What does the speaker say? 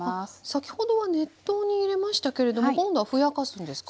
先ほどは熱湯に入れましたけれども今度はふやかすんですか？